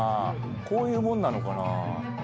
こういうもんなのかな？